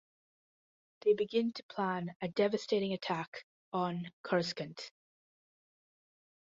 They begin to plan a devastating attack on Coruscant.